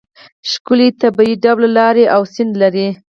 ښکلې طبیعي ډوله لارې او سیند لري.